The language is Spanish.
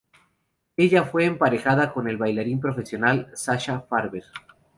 Ella fue emparejada con el bailarín profesional Sasha Farber.